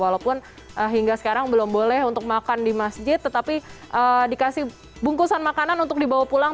walaupun hingga sekarang belum boleh untuk makan di masjid tetapi dikasih bungkusan makanan untuk dibawa pulang